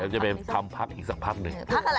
จะไปทำพักอีกสักพักหนึ่ง